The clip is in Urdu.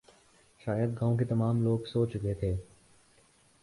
شاید گاؤں کے تمام لوگ سو چکے تھے